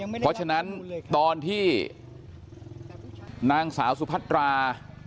เพราะฉะนั้นตอนที่นางสาวสุพัตรา